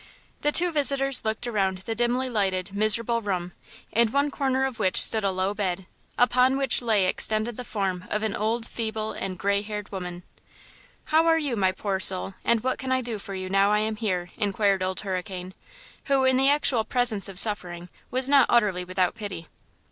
The two visitors looked around the dimly lighted, miserable room, in one corner of which stood a low bed, upon which lay extended the form of an old, feeble and gray haired woman. "How are you, my poor soul, and what can I do for you now I am here?" inquired Old Hurricane, who in the actual presence of suffering was not utterly without pity.